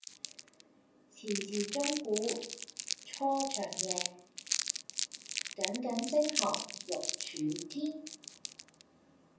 遲遲鐘鼓初長夜，耿耿星河欲曙天。